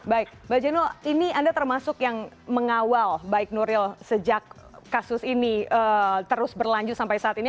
baik mbak jeno ini anda termasuk yang mengawal baik nuril sejak kasus ini terus berlanjut sampai saat ini